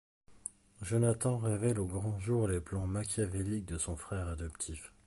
Jonathan révèle au grand jour les plans machiavéliques de son frère adoptif.